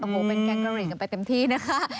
โอ้โหเป็นแกงกะหรี่กันไปเต็มที่นะคะ